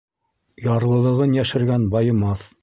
Ярлылығын йәшергән байымаҫ.